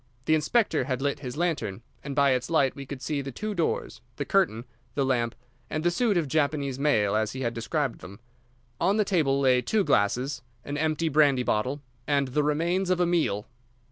The inspector had lit his lantern, and by its light we could see the two doors, the curtain, the lamp, and the suit of Japanese mail as he had described them. On the table lay two glasses, and empty brandy bottle, and the remains of a meal.